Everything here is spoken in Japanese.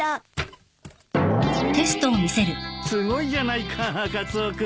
すごいじゃないかカツオ君。